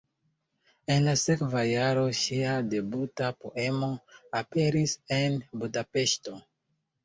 En la sekva jaro ŝia debuta poemo aperis en Budapeŝto.